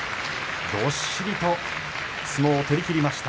どっしりと相撲を取りきりました。